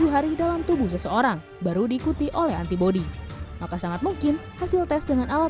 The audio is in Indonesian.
tujuh hari dalam tubuh seseorang baru diikuti oleh antibody maka sangat mungkin hasil tes dengan alat